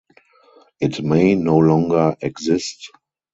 It may no longer exist.